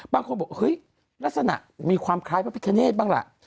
บางคนบอกเฮ้ยลักษณะมีความคล้ายพระพิคเนธบ้างล่ะ